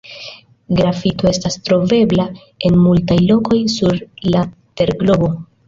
Grafito estas trovebla en multaj lokoj sur la terglobo.